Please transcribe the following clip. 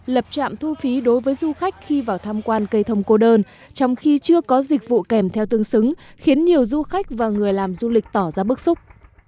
lập trạm thu phí đối với du khách khi vào tham quan cây thông cô đơn trong khi chưa có dịch vụ kèm theo tương xứng khiến nhiều du khách và người làm du lịch tỏ ra bức xúc